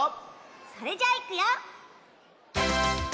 それじゃいくよ。